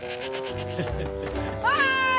おい！